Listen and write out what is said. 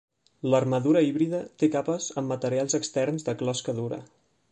L'armadura híbrida té capes amb materials externs de closca dura.